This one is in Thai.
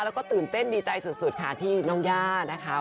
แล้วก็ตื่นเต้นดีใจสุดค่ะที่น้องย่านะคะ